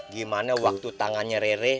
gimana waktu tangannya rere